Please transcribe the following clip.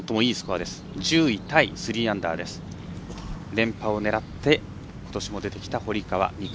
連覇を狙って、ことしも出てきた堀川未来